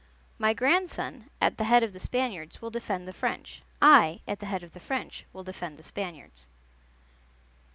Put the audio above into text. My grandson, at the head of the Spaniards, will defend the French. I, at the head of the French, will defend the Spaniards."